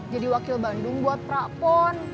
jadi wakil bandung buat prapon